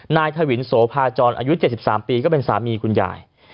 นายถวินโสภาจรอายุเจ็ดสิบสามปีก็เป็นสามีคุณยาย